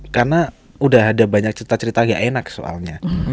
karena udah ada banyak cerita cerita gak enak soalnya